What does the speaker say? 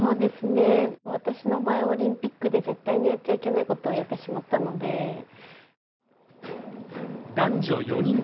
私の場合、オリンピックで絶対にやっちゃいけないことをやってしまったので。